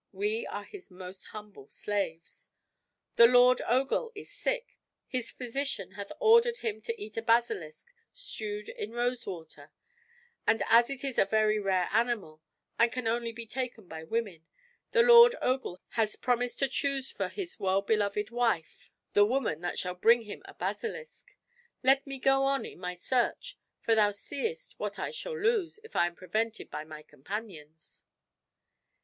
We are his most humble slaves. The lord Ogul is sick. His physician hath ordered him to eat a basilisk, stewed in rose water; and as it is a very rare animal, and can only be taken by women, the lord Ogul hath promised to choose for his well beloved wife the woman that shall bring him a basilisk; let me go on in my search; for thou seest what I shall lose if I am prevented by my companions."